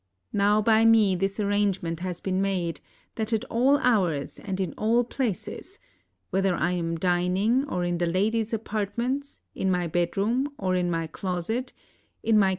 Now by me this arrangement has been made that at all hours and in all places — whether I am dining, or in the ladies' apartments, in my bed room, or in my closet, in my